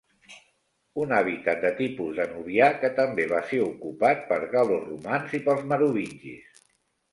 Un hàbitat de tipus danubià, que també va ser ocupat per gal·loromans i pels merovingis.